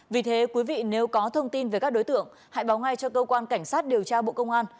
vì thế quý vị nếu có thông tin về các đối tượng hãy báo ngay cho cơ quan cảnh sát điều tra bộ công an